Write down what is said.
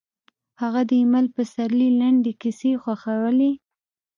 هغې د ایمل پسرلي لنډې کیسې خوښولې